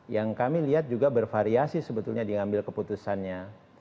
yang kami lihat juga bervariasi sebetulnya diambil keputusannya